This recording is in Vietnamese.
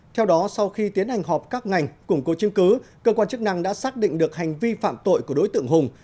theo đó sau khi tiến hành họp các ngành củng cố chứng cứ cơ quan chức năng đã xác định được hành vi phạm tội của đối tượng hùng